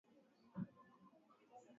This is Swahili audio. Robert aligharamia chakula tulichokula